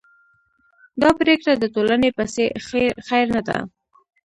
دا پرېکړه د ټولنې په خیر نه ده.